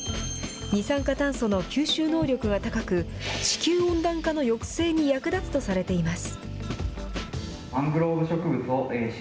二酸化炭素の吸収能力が高く、地球温暖化の抑制に役立つとされています。